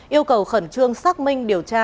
yêu cầu khẩn trương xác minh điều tra